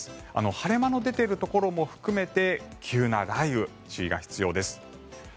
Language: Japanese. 晴れ間の出ているところも含めて急な雷雨に注意が必要です。